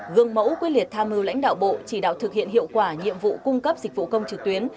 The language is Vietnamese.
gương mẫu quyết liệt tham mưu lãnh đạo bộ chỉ đạo thực hiện hiệu quả nhiệm vụ cung cấp dịch vụ công trực tuyến